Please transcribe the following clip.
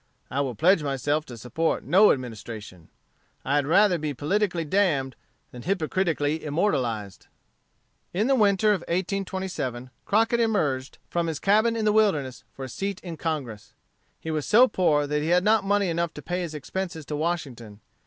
I will pledge myself to support no Administration. I had rather be politically damned than hypocritically immortalized.'" In the winter of 1827, Crockett emerged from his cabin in the wilderness for a seat in Congress. He was so poor that he had not money enough to pay his expenses to Washington.